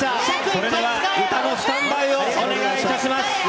それでは歌のスタンバイをお願いいたします。